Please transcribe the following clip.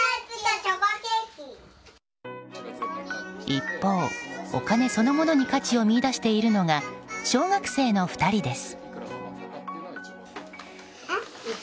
一方、お金そのものに価値を見出しているのが小学生の２人です。